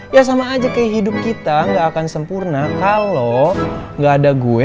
ya sama aja kayak hidup kita gak akan sempurna kalau nggak ada gue